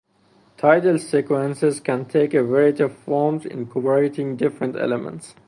Title sequences can take a variety of forms, incorporating different elements.